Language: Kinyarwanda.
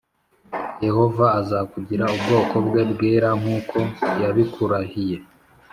Yehova azakugira ubwoko bwe bwera nk’uko yabikurahiye.